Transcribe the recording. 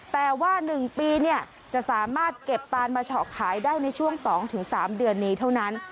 แต่ว่า๑ปีจะสามารถเก็บตานมาเฉาะขายได้ในช่วง๒๓เดือนนี้เท่านั้น